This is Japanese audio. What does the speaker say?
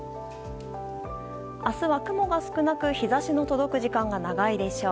明日は雲が少なく日差しの届く時間が長いでしょう。